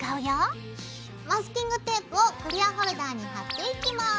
マスキングテープをクリアホルダーに貼っていきます。